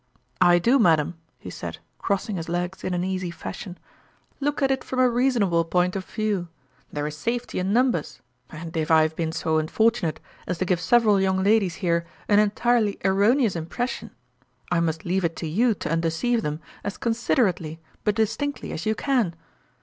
" I do, madam !" he said, crossing his legs in an easy fashion. " Look at it from a rea l)ir& Clique. 73 sonable point of view. There is safety in num bers ; and if I have been so unfortunate as to give several young ladies here an entirely er roneous impression, I must leave it to you to undeceive them as considerately but distinctly as you can.